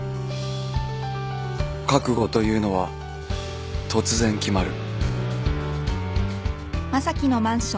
覚悟というのは突然決まる